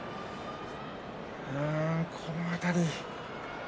この辺り。